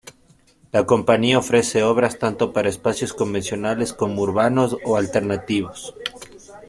La compañía ofrece obras tanto para espacios convencionales como urbanos o alternativos.